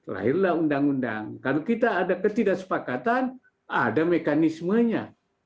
lahirlah undang undang kalau kita ada ketidaksepakatan ada mekanismenya